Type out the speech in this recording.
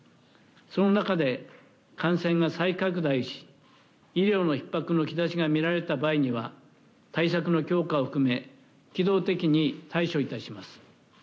その中で、感染が再拡大し医療のひっ迫の兆しが見られた場合には対策の強化を含め機動的に対処致します。